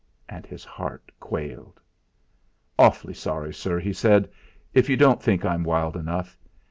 And his heart quailed. "Awfully sorry, sir," he said, "if you don't think I'm wild enough.